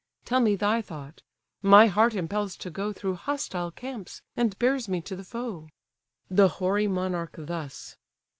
Tell me thy thought: my heart impels to go Through hostile camps, and bears me to the foe." The hoary monarch thus.